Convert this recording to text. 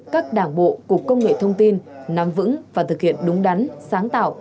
các đảng bộ cục công nghệ thông tin nắm vững và thực hiện đúng đắn sáng tạo